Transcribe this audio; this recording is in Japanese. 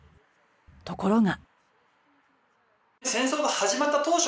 ところが。